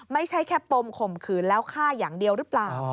ไม่ใช่แค่ปมข่มขืนแล้วฆ่าอย่างเดียวหรือเปล่า